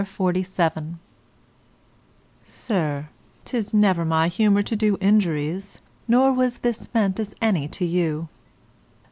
_ SIR, 'Tis never my humour to do injuries, nor was this meant as any to you.